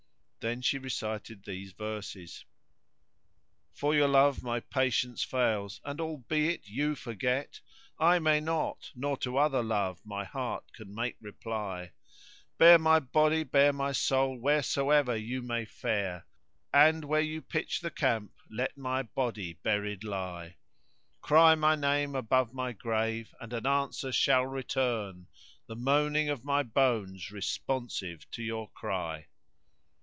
Then she recited these verses:— For your love my patience fails and albeit you forget * I may not, nor to other love my heart can make reply: Bear my body, bear my soul wheresoever you may fare * And where you pitch the camp let my body buried lie: Cry my name above my grave, and an answer shall return * The moaning of my bones responsive to your cry.